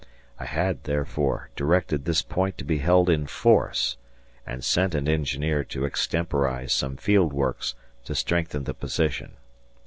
I had, therefore, directed this point to be held in force, and sent an engineer to extemporize some field works to strengthen the position.